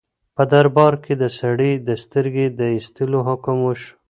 په دربار کې د سړي د سترګې د ایستلو حکم وشو.